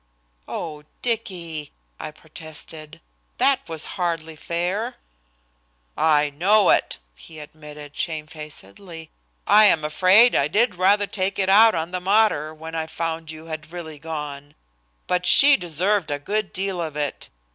"Oh! Dicky!" I protested, "that was hardly fair?" "I know it," he admitted shamefacedly. "I am afraid I did rather take it out on the mater when I found you had really gone. But she deserved a good deal of it.